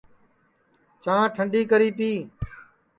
چاں ٹنڈی کری پی